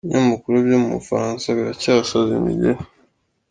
Ibinyamakuru byo mu Bufaransa biracyasaza imigeri